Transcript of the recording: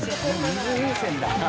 「水風船だ」